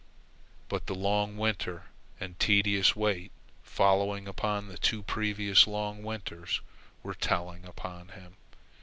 But the long winter and tedious wait, following upon the two previous long winters, were telling upon him.